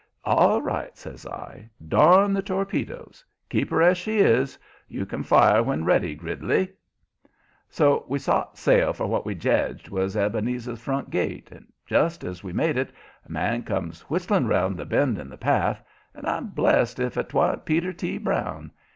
"All right," says I. "Darn the torpedoes! Keep her as she is! You can fire when ready, Gridley!" So we sot sail for what we jedged was Ebenezer's front gate, and just as we made it, a man comes whistling round the bend in the path, and I'm blessed if 'twa'n't Peter T. Brown.